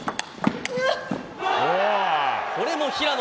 これも平野。